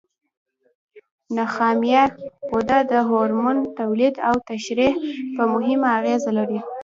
نخامیه غده د هورمون تولید او ترشح کې مهمه اغیزه لري.